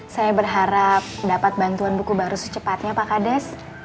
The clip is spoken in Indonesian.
saya berharap dapat bantuan buku baru secepatnya pak kades